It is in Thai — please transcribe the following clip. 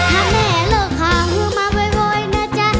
ถ้าแม่เลิกหาเฮือมาเว้ยเว้ยเนอะจ๊ะ